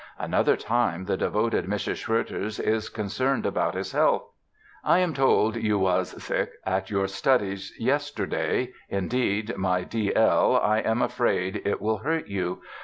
Another time, the devoted Mrs. Schroeter is concerned about his health: "I am told you was at your Study's yesterday; indeed, my D.L., I am afraid it will hurt you....